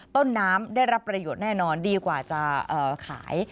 ต้นน้ำได้รับประโยชน์แน่นอนดีกว่าจะขาย